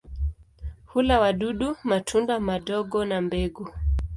Hula wadudu, matunda madogo na mbegu.